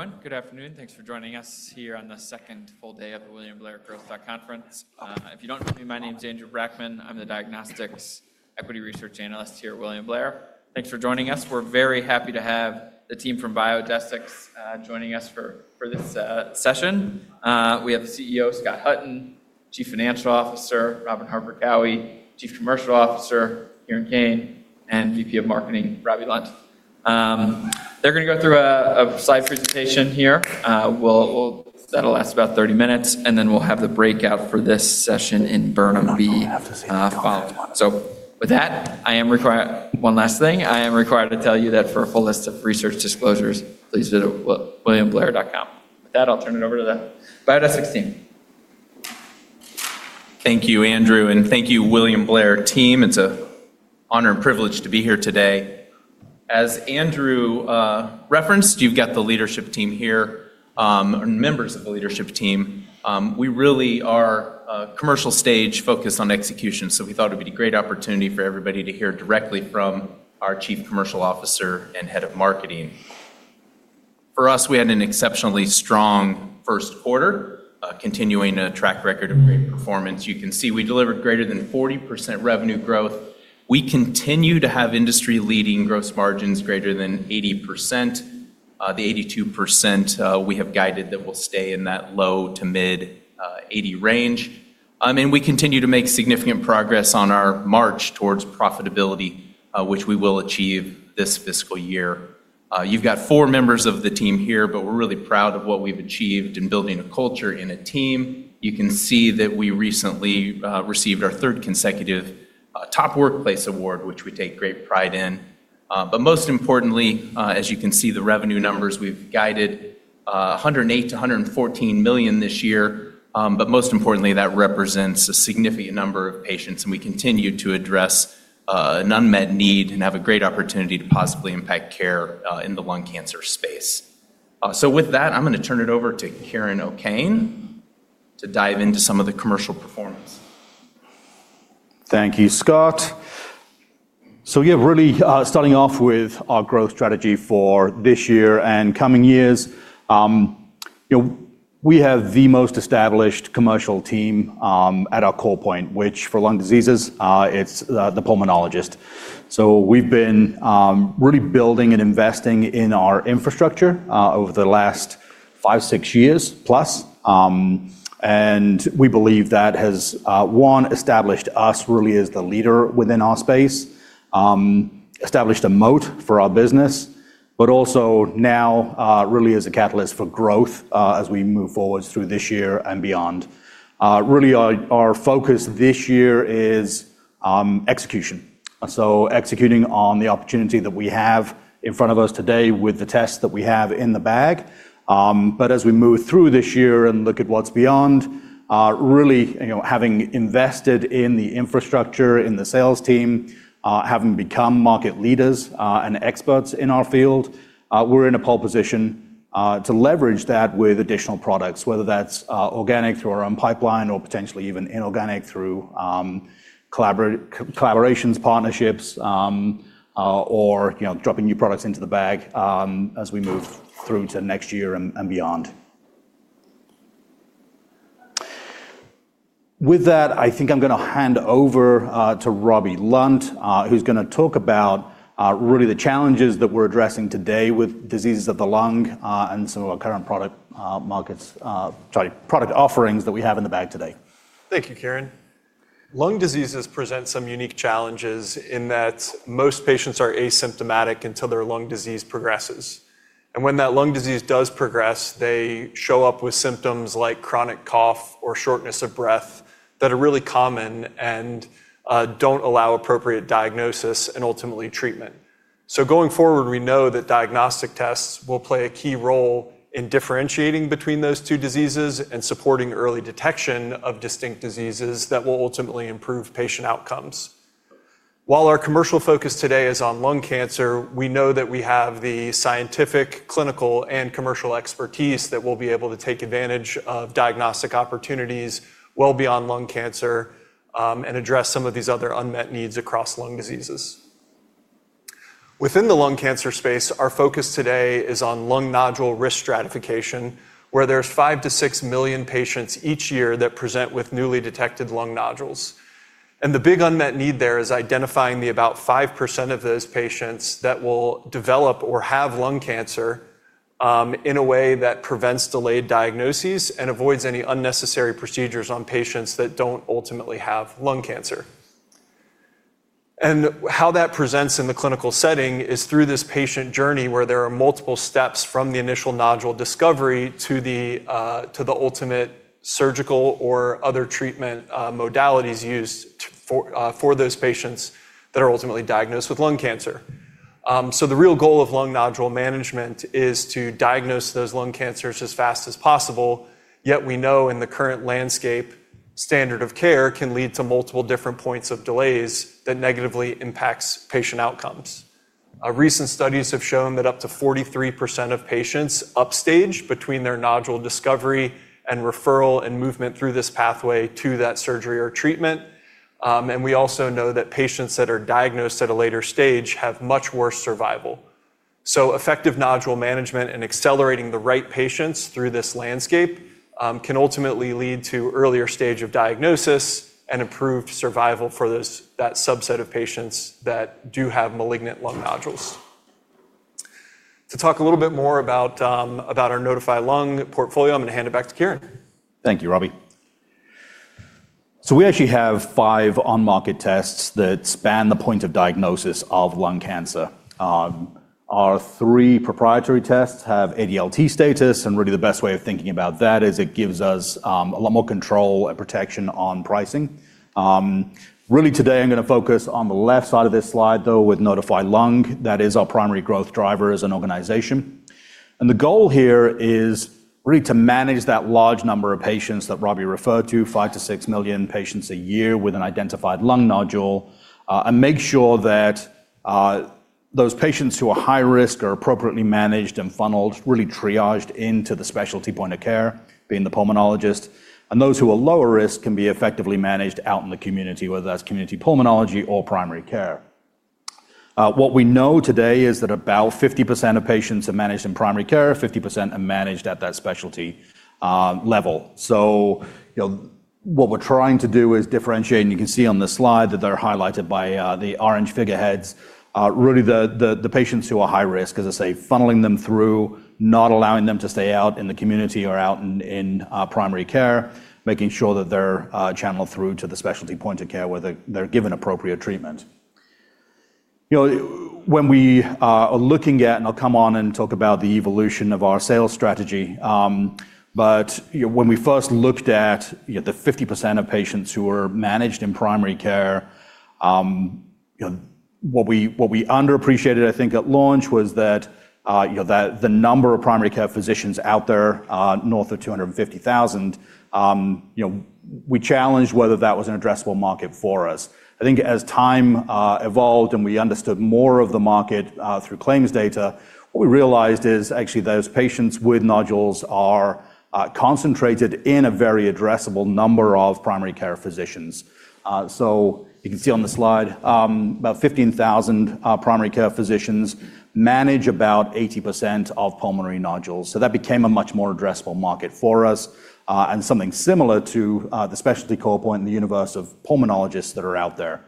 Everyone, good afternoon. Thanks for joining us here on the second full day of the William Blair Growth Stock Conference. If you don't know me, my name's Andrew Brackmann. I'm the diagnostics equity research analyst here at William Blair. Thanks for joining us. We're very happy to have the team from Biodesix joining us for this session. We have the CEO, Scott Hutton, Chief Financial Officer, Robin Harper Cowie, Chief Commercial Officer, Kieran O'Kane, and VP of Marketing, Robbie Lunt. They're going to go through a slide presentation here. That'll last about 30 minutes, and then we'll have the breakout for this session in Burnham B following. With that, one last thing, I am required to tell you that for a full list of research disclosures, please visit williamblair.com. With that, I'll turn it over to the Biodesix team. Thank you, Andrew, and thank you, William Blair team. It's an honor and privilege to be here today. As Andrew referenced, you've got the leadership team here, or members of the leadership team. We really are commercial stage focused on execution, so we thought it would be a great opportunity for everybody to hear directly from our chief commercial officer and head of marketing. For us, we had an exceptionally strong first quarter, continuing a track record of great performance. You can see we delivered greater than 40% revenue growth. We continue to have industry-leading gross margins greater than 80%, the 82% we have guided that will stay in that low to mid-80% range. We continue to make significant progress on our march towards profitability, which we will achieve this fiscal year. You've got four members of the team here, but we're really proud of what we've achieved in building a culture and a team. You can see that we recently received our third consecutive Top Workplaces award, which we take great pride in. Most importantly, as you can see the revenue numbers, we've guided $108 million-$114 million this year. Most importantly, that represents a significant number of patients, and we continue to address an unmet need and have a great opportunity to possibly impact care in the lung cancer space. With that, I'm going to turn it over to Kieran O'Kane to dive into some of the commercial performance. Thank you, Scott. Yeah, really starting off with our growth strategy for this year and coming years. We have the most established commercial team at our core point, which for lung diseases, it's the pulmonologist. We've been really building and investing in our infrastructure over the last five, 6+ years. We believe that has, one, established us really as the leader within our space, established a moat for our business, but also now really as a catalyst for growth as we move forward through this year and beyond. Really, our focus this year is execution. Executing on the opportunity that we have in front of us today with the tests that we have in the bag. As we move through this year and look at what's beyond, really having invested in the infrastructure, in the sales team, having become market leaders and experts in our field, we're in a pole position to leverage that with additional products, whether that's organic through our own pipeline or potentially even inorganic through collaborations, partnerships, or dropping new products into the bag as we move through to next year and beyond. With that, I think I'm going to hand over to Robbie Lunt, who's going to talk about really the challenges that we're addressing today with diseases of the lung and some of our current product offerings that we have in the bag today. Thank you, Kieran. Lung diseases present some unique challenges in that most patients are asymptomatic until their lung disease progresses. When that lung disease does progress, they show up with symptoms like chronic cough or shortness of breath that are really common and don't allow appropriate diagnosis and ultimately treatment. Going forward, we know that diagnostic tests will play a key role in differentiating between those two diseases and supporting early detection of distinct diseases that will ultimately improve patient outcomes. While our commercial focus today is on lung cancer, we know that we have the scientific, clinical, and commercial expertise that will be able to take advantage of diagnostic opportunities well beyond lung cancer and address some of these other unmet needs across lung diseases. Within the lung cancer space, our focus today is on lung nodule risk stratification, where there's 5 million-6 million patients each year that present with newly detected lung nodules. The big unmet need there is identifying the about 5% of those patients that will develop or have lung cancer in a way that prevents delayed diagnoses and avoids any unnecessary procedures on patients that don't ultimately have lung cancer. How that presents in the clinical setting is through this patient journey where there are multiple steps from the initial nodule discovery to the ultimate surgical or other treatment modalities used for those patients that are ultimately diagnosed with lung cancer. The real goal of lung nodule management is to diagnose those lung cancers as fast as possible, yet we know in the current landscape, standard of care can lead to multiple different points of delays that negatively impacts patient outcomes. Recent studies have shown that up to 43% of patients upstage between their nodule discovery and referral and movement through this pathway to that surgery or treatment. We also know that patients that are diagnosed at a later stage have much worse survival. Effective nodule management and accelerating the right patients through this landscape can ultimately lead to earlier stage of diagnosis and improved survival for that subset of patients that do have malignant lung nodules. To talk a little bit more about our Nodify Lung portfolio, I'm going to hand it back to Kieran. Thank you, Robbie. We actually have five on-market tests that span the point of diagnosis of lung cancer. Our three proprietary tests have ADLT status, and really the best way of thinking about that is it gives us a lot more control and protection on pricing. Really today, I'm going to focus on the left side of this slide, though, with Nodify Lung. That is our primary growth driver as an organization. The goal here is really to manage that large number of patients that Robbie referred to, 5 million-6 million patients a year with an identified lung nodule, and make sure that those patients who are high risk are appropriately managed and funneled, really triaged into the specialty point of care, being the pulmonologist, and those who are lower risk can be effectively managed out in the community, whether that's community pulmonology or primary care. What we know today is that about 50% of patients are managed in primary care, 50% are managed at that specialty level. What we're trying to do is differentiate, and you can see on the slide that they're highlighted by the orange figureheads, really the patients who are high risk, as I say, funneling them through, not allowing them to stay out in the community or out in primary care, making sure that they're channeled through to the specialty point of care where they're given appropriate treatment. When we are looking at, and I'll come on and talk about the evolution of our sales strategy, but when we first looked at the 50% of patients who are managed in primary care, what we underappreciated, I think, at launch was that the number of primary care physicians out there, north of 250,000, we challenged whether that was an addressable market for us. I think as time evolved and we understood more of the market through claims data, what we realized is actually those patients with nodules are concentrated in a very addressable number of primary care physicians. You can see on the slide, about 15,000 primary care physicians manage about 80% of pulmonary nodules. That became a much more addressable market for us and something similar to the specialty call point in the universe of pulmonologists that are out there.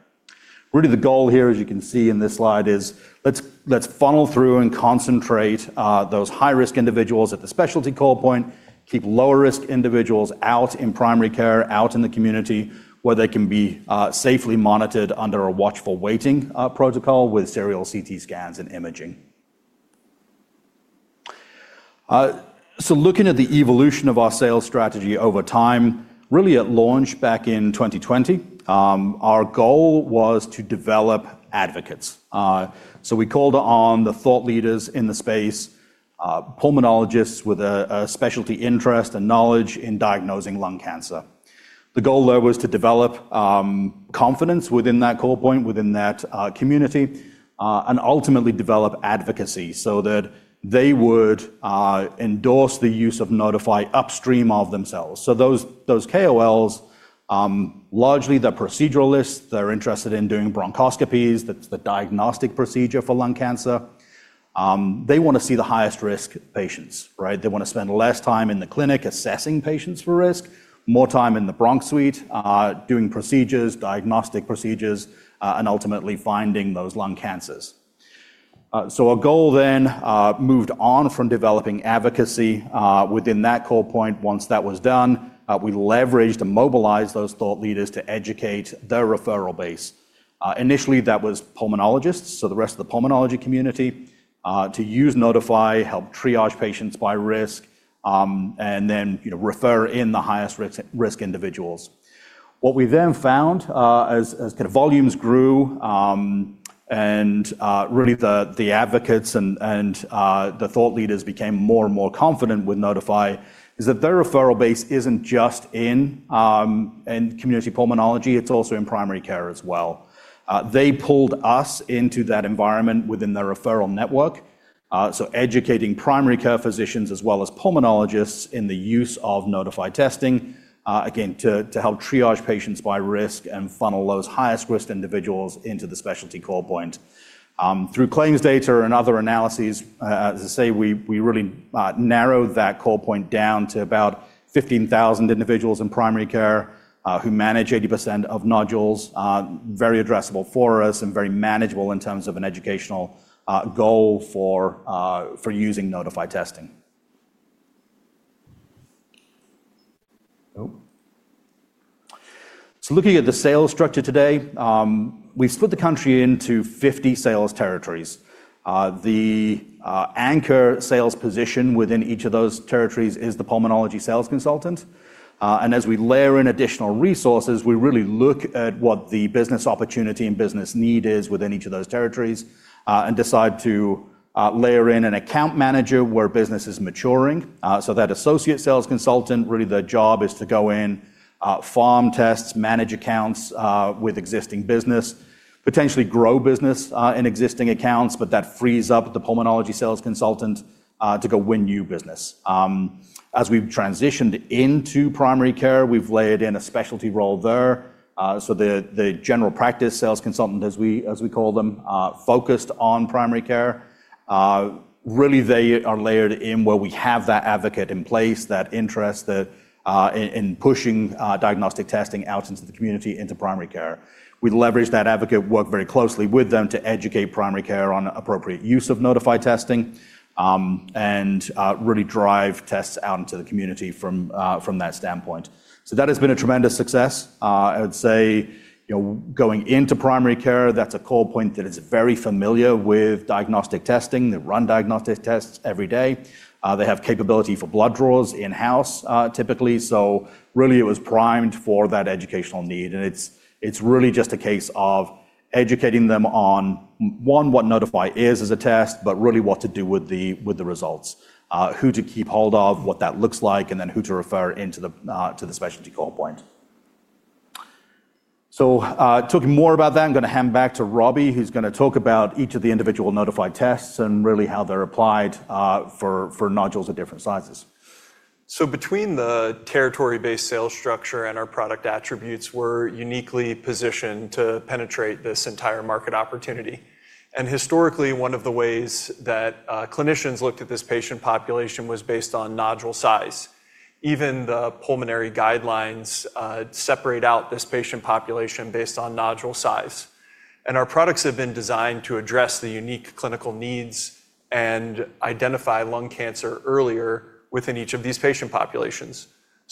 The goal here, as you can see in this slide, is let's funnel through and concentrate those high-risk individuals at the specialty call point, keep lower-risk individuals out in primary care, out in the community, where they can be safely monitored under a watchful waiting protocol with serial CT scans and imaging. Looking at the evolution of our sales strategy over time, really at launch back in 2020, our goal was to develop advocates. We called on the thought leaders in the space, pulmonologists with a specialty interest and knowledge in diagnosing lung cancer. The goal there was to develop confidence within that call point, within that community, and ultimately develop advocacy so that they would endorse the use of Nodify upstream of themselves. Those KOLs, largely they're proceduralists. They're interested in doing bronchoscopies. That's the diagnostic procedure for lung cancer. They want to see the highest risk patients, right? They want to spend less time in the clinic assessing patients for risk, more time in the bronch suite doing procedures, diagnostic procedures, and ultimately finding those lung cancers. Our goal then moved on from developing advocacy within that call point. Once that was done, we leveraged and mobilized those thought leaders to educate their referral base. Initially, that was pulmonologists, the rest of the pulmonology community, to use Nodify, help triage patients by risk, and then refer in the highest-risk individuals. What we then found as volumes grew and really the advocates and the thought leaders became more and more confident with Nodify, is that their referral base isn't just in community pulmonology, it's also in primary care as well. They pulled us into that environment within their referral network. Educating primary care physicians as well as pulmonologists in the use of Nodify testing, again, to help triage patients by risk and funnel those highest-risk individuals into the specialty call point. Through claims data and other analyses, as I say, we really narrowed that call point down to about 15,000 individuals in primary care who manage 80% of nodules. Very addressable for us and very manageable in terms of an educational goal for using Nodify testing. Looking at the sales structure today, we've split the country into 50 sales territories. The anchor sales position within each of those territories is the pulmonology sales consultant, and as we layer in additional resources, we really look at what the business opportunity and business need is within each of those territories and decide to layer in an account manager where business is maturing. That associate sales consultant, really their job is to go in, farm tests, manage accounts with existing business, potentially grow business in existing accounts, but that frees up the pulmonology sales consultant to go win new business. As we've transitioned into primary care, we've layered in a specialty role there. The general practice sales consultant, as we call them, focused on primary care. Really, they are layered in where we have that advocate in place, that interest in pushing diagnostic testing out into the community into primary care. We leverage that advocate, work very closely with them to educate primary care on appropriate use of Nodify testing, and really drive tests out into the community from that standpoint. That has been a tremendous success. I would say, going into primary care, that's a call point that is very familiar with diagnostic testing. They run diagnostic tests every day. They have capability for blood draws in-house, typically. Really it was primed for that educational need, and it's really just a case of educating them on, one, what Nodify is as a test, but really what to do with the results. Who to keep hold of, what that looks like, then who to refer into the specialty call point. Talking more about that, I'm going to hand back to Robbie, who's going to talk about each of the individual Nodify tests and really how they're applied for nodules of different sizes. Between the territory-based sales structure and our product attributes, we're uniquely positioned to penetrate this entire market opportunity. Historically, one of the ways that clinicians looked at this patient population was based on nodule size. Even the pulmonary guidelines separate out this patient population based on nodule size. Our products have been designed to address the unique clinical needs and identify lung cancer earlier within each of these patient populations.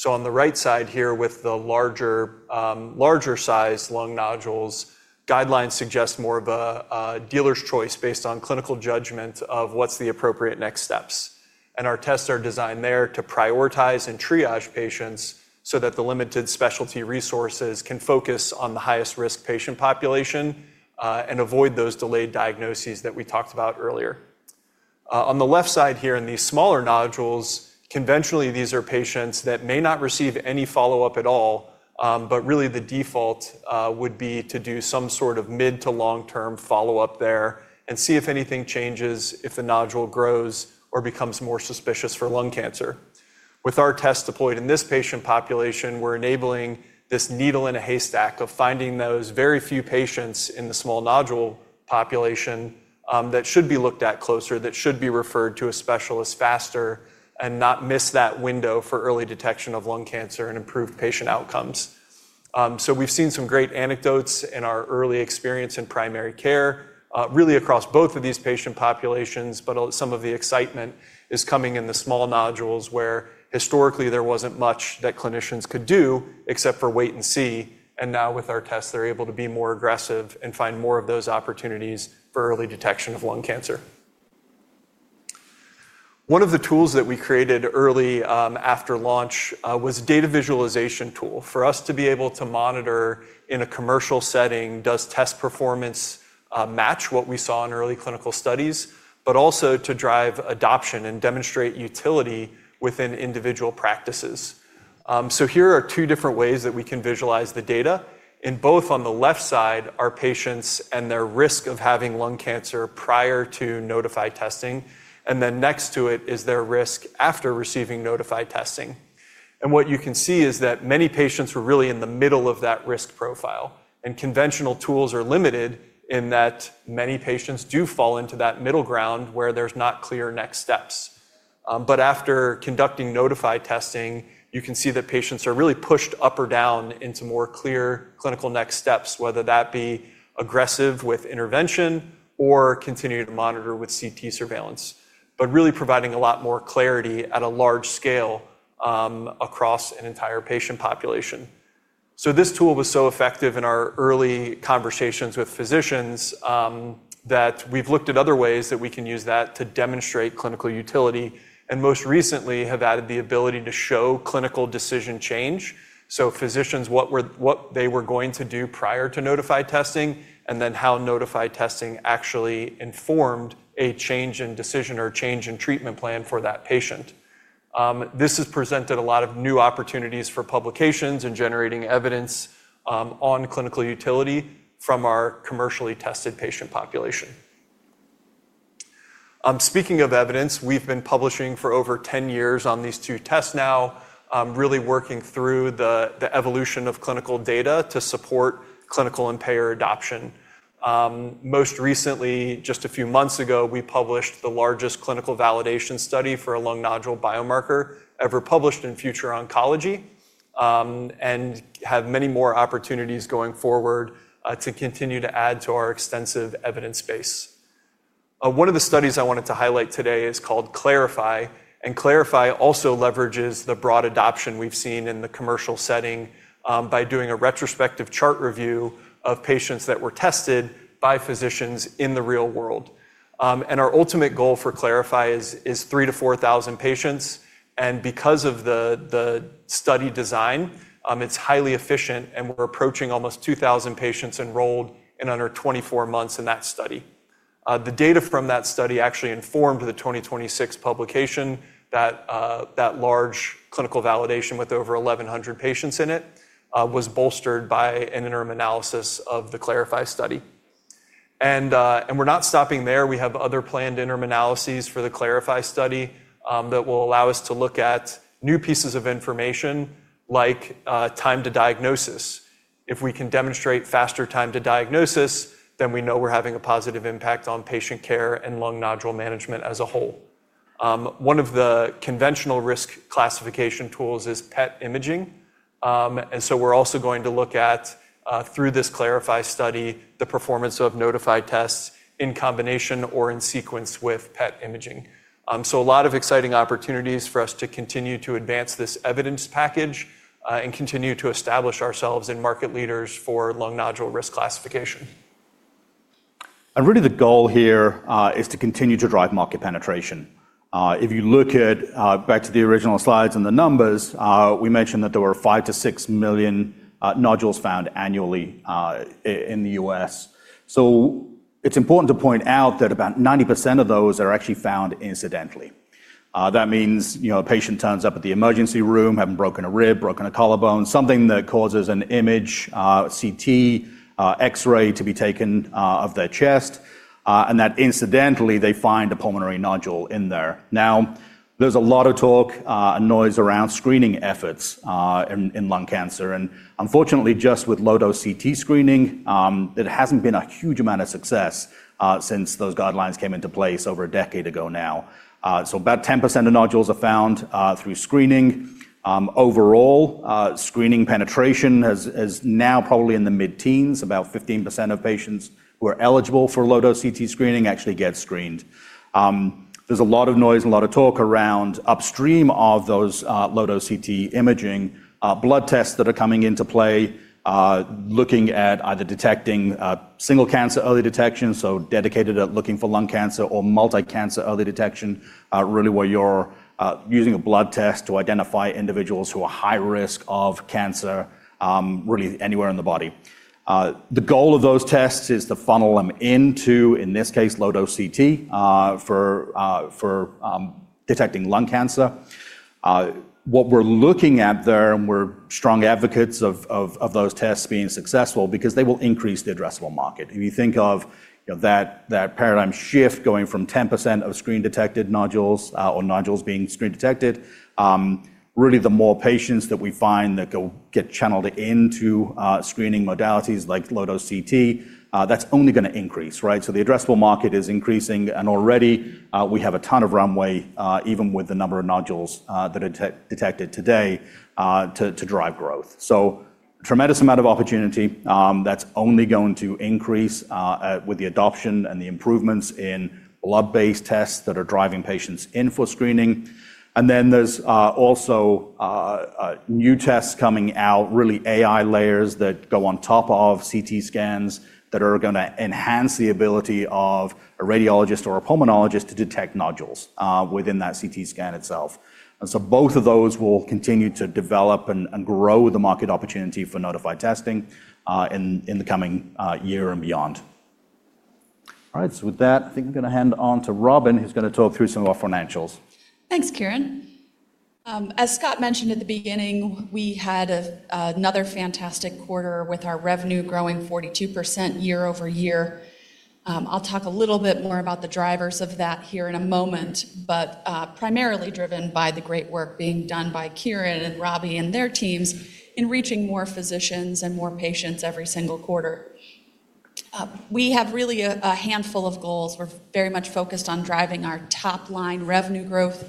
On the right side here, with the larger size lung nodules, guidelines suggest more of a dealer's choice based on clinical judgment of what's the appropriate next steps. Our tests are designed there to prioritize and triage patients so that the limited specialty resources can focus on the highest risk patient population, and avoid those delayed diagnoses that we talked about earlier. On the left side here in these smaller nodules, conventionally these are patients that may not receive any follow-up at all, but really the default would be to do some sort of mid to long term follow-up there and see if anything changes, if the nodule grows or becomes more suspicious for lung cancer. With our tests deployed in this patient population, we're enabling this needle in a haystack of finding those very few patients in the small nodule population that should be looked at closer, that should be referred to a specialist faster and not miss that window for early detection of lung cancer and improved patient outcomes. We've seen some great anecdotes in our early experience in primary care, really across both of these patient populations. Some of the excitement is coming in the small nodules, where historically there wasn't much that clinicians could do except for wait and see. Now with our tests, they're able to be more aggressive and find more of those opportunities for early detection of lung cancer. One of the tools that we created early after launch was a data visualization tool for us to be able to monitor in a commercial setting, does test performance match what we saw in early clinical studies. Also to drive adoption and demonstrate utility within individual practices. Here are two different ways that we can visualize the data. In both, on the left side are patients and their risk of having lung cancer prior to Nodify testing, and then next to it is their risk after receiving Nodify testing. What you can see is that many patients were really in the middle of that risk profile. Conventional tools are limited in that many patients do fall into that middle ground where there's not clear next steps. After conducting Nodify testing, you can see that patients are really pushed up or down into more clear clinical next steps, whether that be aggressive with intervention or continue to monitor with CT surveillance, but really providing a lot more clarity at a large scale, across an entire patient population. This tool was so effective in our early conversations with physicians, that we've looked at other ways that we can use that to demonstrate clinical utility and most recently have added the ability to show clinical decision change. Physicians, what they were going to do prior to Nodify testing and then how Nodify testing actually informed a change in decision or change in treatment plan for that patient. This has presented a lot of new opportunities for publications and generating evidence on clinical utility from our commercially tested patient population. Speaking of evidence, we've been publishing for over 10 years on these two tests now, really working through the evolution of clinical data to support clinical and payer adoption. Most recently, just a few months ago, we published the largest clinical validation study for a lung nodule biomarker ever published in "Future Oncology," and have many more opportunities going forward to continue to add to our extensive evidence base. One of the studies I wanted to highlight today is called CLARIFY. CLARIFY also leverages the broad adoption we've seen in the commercial setting, by doing a retrospective chart review of patients that were tested by physicians in the real world. Our ultimate goal for CLARIFY is 3,000-4,000 patients. Because of the study design, it's highly efficient, and we're approaching almost 2,000 patients enrolled in under 24 months in that study. The data from that study actually informed the 2026 publication that large clinical validation with over 1,100 patients in it, was bolstered by an interim analysis of the CLARIFY study. We're not stopping there. We have other planned interim analyses for the CLARIFY study that will allow us to look at new pieces of information like time to diagnosis. If we can demonstrate faster time to diagnosis, then we know we're having a positive impact on patient care and lung nodule management as a whole. One of the conventional risk classification tools is PET imaging. We're also going to look at, through this CLARIFY study, the performance of Nodify tests in combination or in sequence with PET imaging. A lot of exciting opportunities for us to continue to advance this evidence package and continue to establish ourselves in market leaders for lung nodule risk classification. Really the goal here is to continue to drive market penetration. If you look back at the original slides and the numbers, we mentioned that there were 5 million-6 million nodules found annually in the U.S. It's important to point out that about 90% of those are actually found incidentally. That means a patient turns up at the emergency room, having broken a rib, broken a collarbone, something that causes an image, CT, X-ray to be taken of their chest, and that incidentally, they find a pulmonary nodule in there. There's a lot of talk and noise around screening efforts in lung cancer, and unfortunately just with low-dose CT screening, it hasn't been a huge amount of success since those guidelines came into place over a decade ago now. About 10% of nodules are found through screening. Overall, screening penetration is now probably in the mid-teens. About 15% of patients who are eligible for low-dose CT screening actually get screened. There's a lot of noise and a lot of talk around upstream of those low-dose CT imaging blood tests that are coming into play looking at either detecting single-cancer early detection, so dedicated at looking for lung cancer or multi-cancer early detection, really where you're using a blood test to identify individuals who are high risk of cancer, really anywhere in the body. The goal of those tests is to funnel them into, in this case, low-dose CT for detecting lung cancer. What we're looking at there, and we're strong advocates of those tests being successful because they will increase the addressable market. If you think of that paradigm shift going from 10% of screen-detected nodules or nodules being screen-detected, really the more patients that we find that get channeled into screening modalities like low-dose CT, that's only going to increase. The addressable market is increasing and already we have a ton of runway even with the number of nodules that are detected today to drive growth. A tremendous amount of opportunity that's only going to increase with the adoption and the improvements in blood-based tests that are driving patients in for screening. There's also new tests coming out, really AI layers that go on top of CT scans that are going to enhance the ability of a radiologist or a pulmonologist to detect nodules within that CT scan itself. Both of those will continue to develop and grow the market opportunity for Nodify testing in the coming year and beyond. All right. With that, I think I'm going to hand on to Robin, who's going to talk through some of our financials. Thanks, Kieran. As Scott mentioned at the beginning, we had another fantastic quarter with our revenue growing 42% year-over-year. I'll talk a little bit more about the drivers of that here in a moment, primarily driven by the great work being done by Kieran and Robbie and their teams in reaching more physicians and more patients every single quarter. We have really a handful of goals. We're very much focused on driving our top-line revenue growth,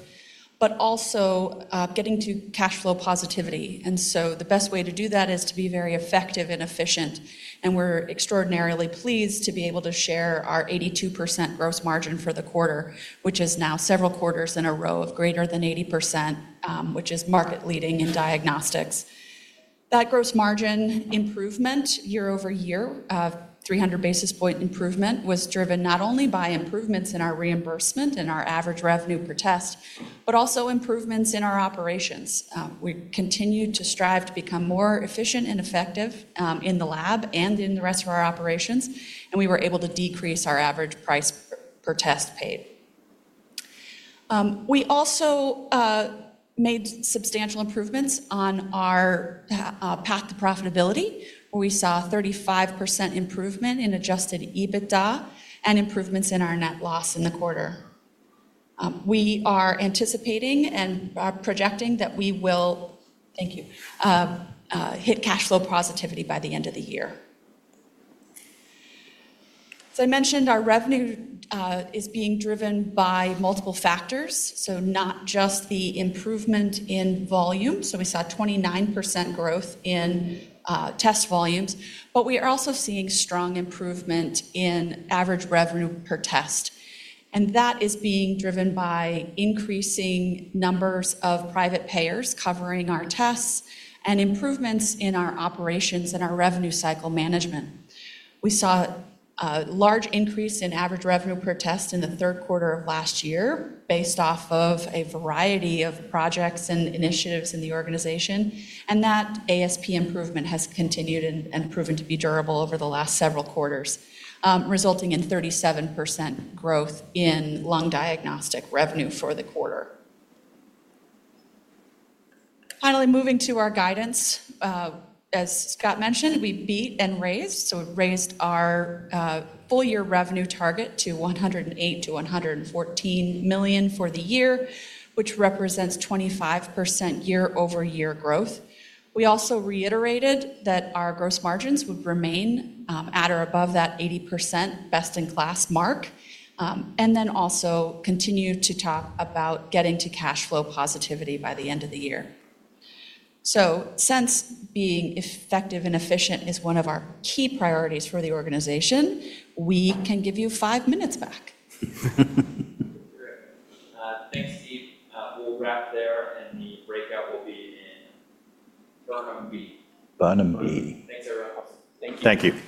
but also getting to cash flow positivity. The best way to do that is to be very effective and efficient. We're extraordinarily pleased to be able to share our 82% gross margin for the quarter, which is now several quarters in a row of greater than 80%, which is market leading in diagnostics. That gross margin improvement year-over-year of 300-basis point improvement was driven not only by improvements in our reimbursement and our average revenue per test, but also improvements in our operations. We continued to strive to become more efficient and effective in the lab and in the rest of our operations, and we were able to decrease our average price per test paid. We also made substantial improvements on our path to profitability, where we saw a 35% improvement in Adjusted EBITDA and improvements in our net loss in the quarter. We are anticipating and are projecting that we will, thank you, hit cash flow positivity by the end of the year. As I mentioned, our revenue is being driven by multiple factors, so not just the improvement in volume. We saw 29% growth in test volumes, but we are also seeing strong improvement in average revenue per test, and that is being driven by increasing numbers of private payers covering our tests and improvements in our operations and our revenue cycle management. We saw a large increase in average revenue per test in the third quarter of last year based off of a variety of projects and initiatives in the organization, and that ASP improvement has continued and proven to be durable over the last several quarters, resulting in 37% growth in lung diagnostic revenue for the quarter. Moving to our guidance. As Scott mentioned, we beat and raised, so raised our full-year revenue target to $108 million-$114 million for the year, which represents 25% year-over-year growth. We also reiterated that our gross margins would remain at or above that 80% best-in-class mark. Continued to talk about getting to cash flow positivity by the end of the year. Being effective and efficient is one of our key priorities for the organization, we can give you five minutes back. Great. Thanks, Kieran. We'll wrap there. The breakout will be in Burnham B. Burnham B. Thanks, everyone. Thank you.